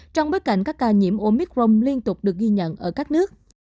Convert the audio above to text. trong bối cảnh các ca nhiễm omicron liên tục được ghi nhận ở các nước